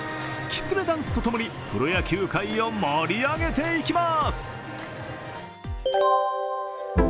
きつねダンスと共にプロ野球界を盛り上げていきます。